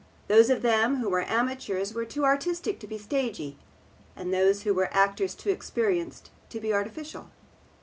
Those of them who were amateurs were too artistic to be stagey, and those who were actors too experienced to be artificial.